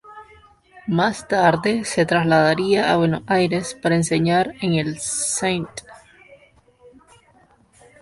Más tarde se trasladaría a Buenos Aires para enseñar en el St.